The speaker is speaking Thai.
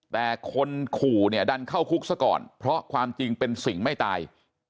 แต่คนขู่เนี่ยดันเข้าคุกซะก่อนเพราะความจริงเป็นสิ่งไม่ตาย